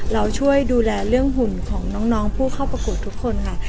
เราช่วยดูแลเรื่องหุ่นของน้องผู้เข้าประกวดทุกคนค่ะ